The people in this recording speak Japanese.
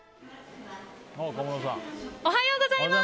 おはようございます！